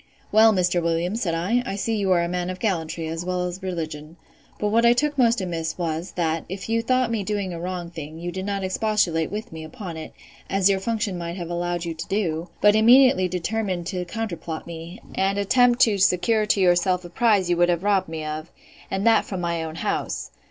Well, Mr. Williams, said I, I see you are a man of gallantry, as well as religion: But what I took most amiss was, that, if you thought me doing a wrong thing, you did not expostulate with me upon it, as your function might have allowed you to do; but immediately determined to counterplot me, and attempt to secure to yourself a prize you would have robbed me of, and that from my own house.